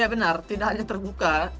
ya benar tidak hanya terbuka